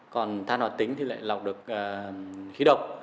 màng than hoạt tính lọc được khí độc